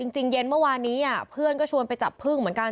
เย็นเมื่อวานนี้เพื่อนก็ชวนไปจับพึ่งเหมือนกัน